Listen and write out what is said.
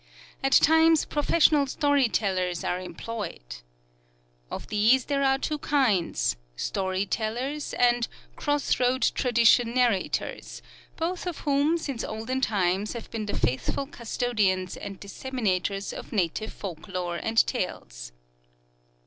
At times professional story tellers are employed. Of these there are two kinds: Story Tellers and "Cross Road Tradition Narrators," both of whom since olden times have been the faithful custodians and disseminators of native folk lore and tales.